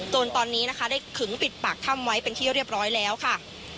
จนตอนนี้นะคะได้ขึงปิดปากถ้ำไว้เป็นที่เรียบร้อยแล้วค่ะ